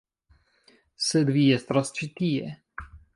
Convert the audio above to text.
Sed Vi estras ĉi tie.